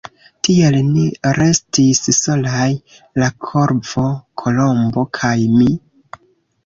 Tiel ni restis solaj — la Korvo, Kolombo kaj mi.